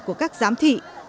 của các giám thị